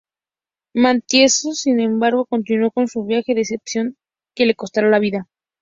Matienzo, sin embargo, continuó con su viaje, decisión que le costaría la vida.